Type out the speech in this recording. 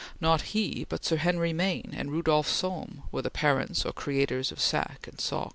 Not he, but Sir Henry Maine and Rudolph Sohm, were the parents or creators of Sac and Soc.